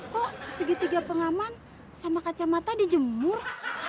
kok segitiga pengaman sama kacamata di jemur